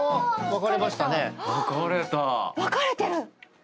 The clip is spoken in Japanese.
分かれてる！